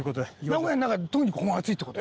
名古屋の中で特にここが熱いって事？